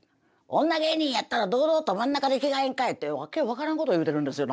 女芸人やったら堂々と真ん中で着替えんかい」って訳分からんこと言うてるんですよ。